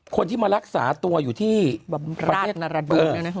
คนที่มารักษาตัวอยู่ที่ประเทศนารบก